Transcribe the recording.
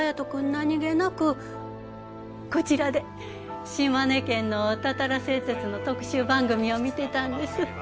何気なくこちらで島根県のたたら製鉄の特集番組を見てたんです